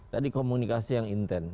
tadi komunikasi yang intens